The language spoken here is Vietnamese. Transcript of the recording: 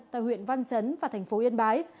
tại huyện văn chấn và thành phố yên bái